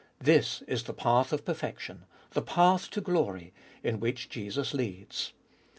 This is the path of perfection, the path to glory, in which Jesus leads.